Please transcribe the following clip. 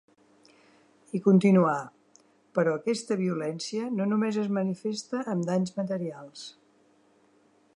I continuà: Però aquesta violència no només es manifesta amb danys materials.